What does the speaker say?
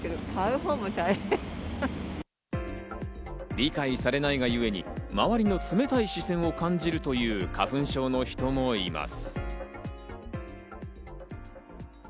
理解されないがゆえに周りの冷たい視線を感じるという花粉症の人もいます。